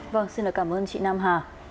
vâng xin cảm ơn chị nam hà